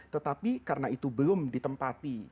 tetapi karena itu belum ditempati